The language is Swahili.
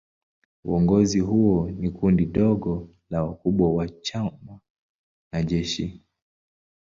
Uongozi huo ni kundi dogo la wakubwa wa chama na jeshi.